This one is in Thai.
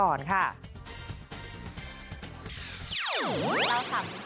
ลองทำแปดนักภาระตียาศึกฟุตำแอบลนที่ปฏิบัติความรับขึ้น